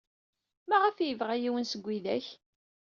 Maɣef ay yebɣa yiwen seg widak?